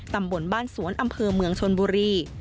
ตำบลบ้านสวนอำเภอเมืองชนบุรี